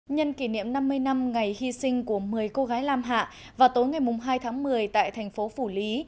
nhân kỷ niệm năm mươi năm ngày hy sinh của một mươi cô gái lam hạ vào tối ngày hai tháng một mươi tại thành phố phủ lý